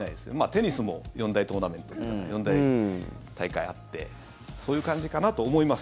テニスも四大トーナメント四大大会があってそういう感じかなと思います。